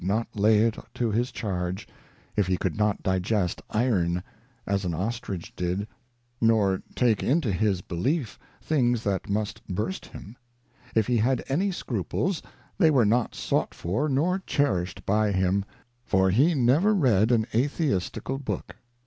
not lay it to his charge, if he could not digest iron, as an ostrich did, nor take into his belief things that must burst him : if he had any scruples, they were not sought for, nor cherished by him ; for he never read an atheistical book.